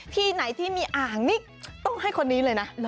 ที่ไหนที่มีอ่างนี่ต้องให้คนนี้เลยนะ